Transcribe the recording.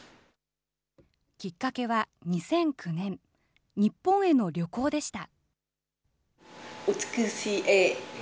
きっかけは２００９年、日本への旅行でした。